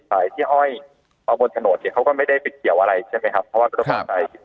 สายที่ห้อยมีประจำที่จะไม่มีสายที่มีประจำ